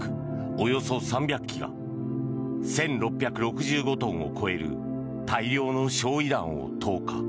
およそ３００機が１６６５トンを超える大量の焼い弾を投下。